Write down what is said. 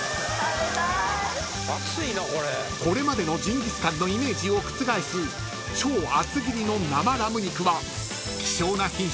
［これまでのジンギスカンのイメージを覆す超厚切りの生ラム肉は］